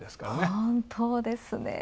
本当ですね。